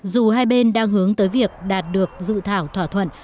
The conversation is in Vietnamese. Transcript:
dù hai bên đang hướng tới việc đạt được dự thảo thỏa thuận